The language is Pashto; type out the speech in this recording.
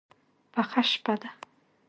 پخه شپه ده.